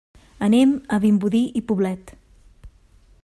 Anem a Vimbodí i Poblet.